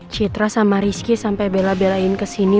citra sama rizky sampai bela belain kesini